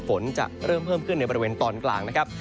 ฝนจะเริ่มเพิ่มขึ้นในบริเวณตอนกลางนะครับ